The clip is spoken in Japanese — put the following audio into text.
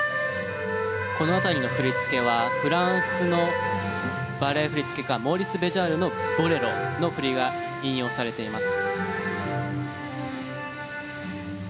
この辺りの振り付けはフランスのバレエ振付家モーリス・ベジャールの『ボレロ』の振りが引用されています。